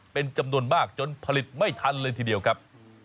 เป็นจำนวนมากจนผลิตไม่ทันเลยทีเดียวครับ